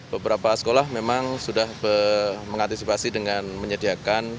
beberapa sekolah memang sudah mengantisipasi dengan menyediakan